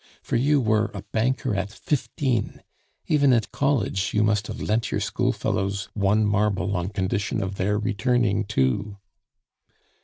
For you were a banker at fifteen; even at college you must have lent your school fellows one marble on condition of their returning two."